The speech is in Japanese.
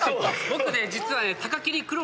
僕ね実はね。